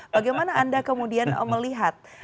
bagaimana anda kemudian melihat